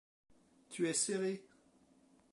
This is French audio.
Tu es serré.